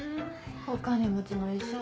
お金持ちの医者